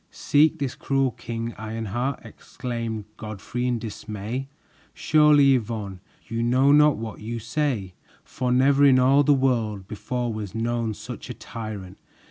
"Seek this cruel King Ironheart!" exclaimed Godfrey in dismay. "Surely, Yvonne, you know not what you say, for never in all the world before was known such a tyrant!